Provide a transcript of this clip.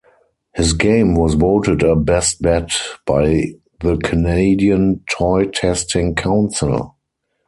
His game was voted a "Best Bet" by the Canadian Toy Testing Council.